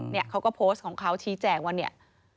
เนี่ยเขาก็โพสต์ของเขาชี้แจงว่าเนี่ย